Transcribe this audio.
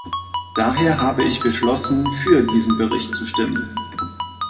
Daher habe ich beschlossen, für diesen Bericht zu stimmen.